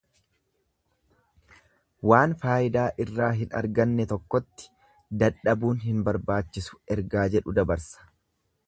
Waan faayidaa irraa hin arganne tokkotti dadhabuun hin barbaachisu ergaa jedhu dabarsa.